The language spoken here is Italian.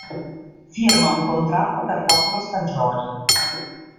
Firma un contratto per quattro stagioni.